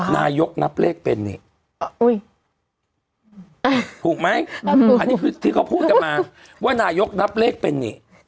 นายกนับเลขเป็นนี่ถือเขาพูดกันมาว่านายกนับเลขเป็นนี่